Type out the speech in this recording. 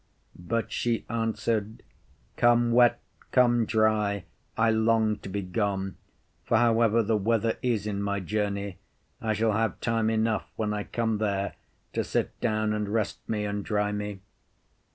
But she answered, Come wet, come dry, I long to be gone, for however the weather is in my journey, I shall have time enough when I come there to sit down and rest me and dry me.